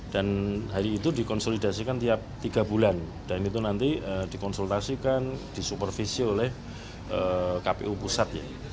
dan hari itu dikonsolidasikan tiap tiga bulan dan itu nanti dikonsultasikan disupervisi oleh kpu pusat